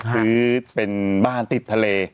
ซื้อเป็นบ้านติดทะเล